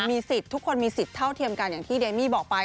มีสิทธิ์ทุกคนมีสิทธิ์เท่าเทียมกันอย่างที่เดมี่บอกไป